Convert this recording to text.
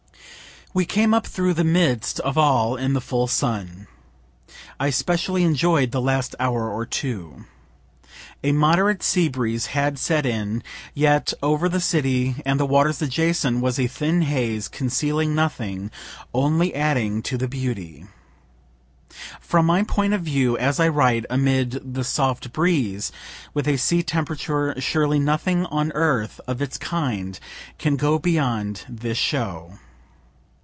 We came up through the midst of all, in the full sun. I especially enjoy'd the last hour or two. A moderate sea breeze had set in; yet over the city, and the waters adjacent, was a thin haze, concealing nothing, only adding to the beauty. From my point of view, as I write amid the soft breeze, with a sea temperature, surely nothing on earth of its kind can go beyond this show.